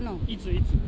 いつ？